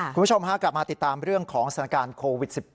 คุณผู้ชมฮะกลับมาติดตามเรื่องของสถานการณ์โควิด๑๙